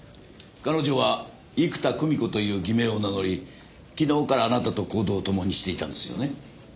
彼女は生田くみ子という偽名を名乗り昨日からあなたと行動を共にしていたんですよね？